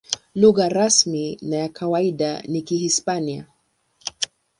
Lugha rasmi na ya kawaida ni Kihispania.